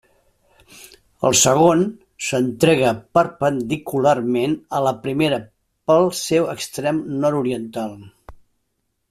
El segon s'entrega perpendicularment a la primera pel seu extrem nord-oriental.